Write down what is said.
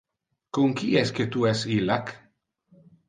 Con qui esque tu es illac?